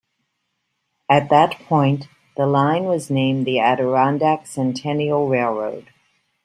At that point, the line was named the Adirondack Centennial Railroad.